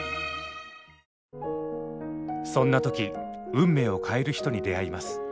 そんな時運命を変える人に出会います。